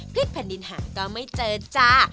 พลิกแผ่นดินหาก็ไม่เจอจ้า